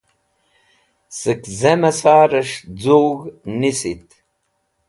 Zẽk sẽme sarẽs̃h z̃ug̃h nisit.